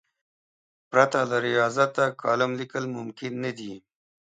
پرته له ریاضته کالم لیکل ممکن نه دي.